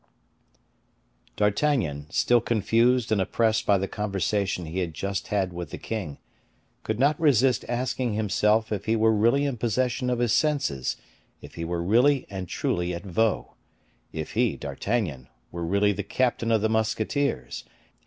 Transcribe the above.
D'Artagnan, still confused and oppressed by the conversation he had just had with the king, could not resist asking himself if he were really in possession of his senses, if he were really and truly at Vaux; if he, D'Artagnan, were really the captain of the musketeers, and M.